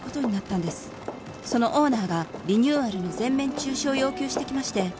☎そのオーナーがリニューアルの全面中止を要求してきまして